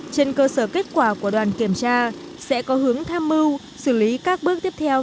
trên cơ sở kết quả của đoàn kiểm tra sẽ có hướng tham mưu xử lý các bước tiếp theo